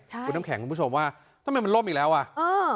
คุณน้ำแข็งคุณผู้ชมว่าทำไมมันล่มอีกแล้วอ่ะเออ